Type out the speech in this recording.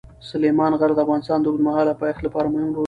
سلیمان غر د افغانستان د اوږدمهاله پایښت لپاره مهم رول لري.